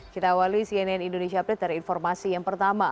kita awali cnn indonesia update dari informasi yang pertama